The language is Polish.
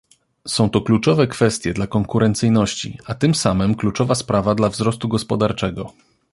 Są to kluczowe kwestie dla konkurencyjności, a tym samym kluczowa sprawa dla wzrostu gospodarczego